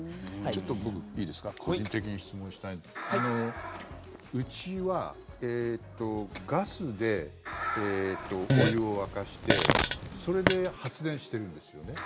ちょっと僕、いいですか個人的に質問したいんですがうちはガスでお湯を沸かしてそれで発電してるんですよね。